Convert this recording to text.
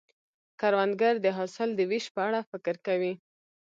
کروندګر د حاصل د ویش په اړه فکر کوي